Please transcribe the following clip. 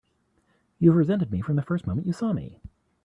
You've resented me from the first moment you saw me!